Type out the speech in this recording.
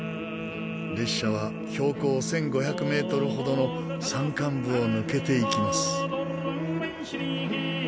列車は標高１５００メートルほどの山間部を抜けていきます。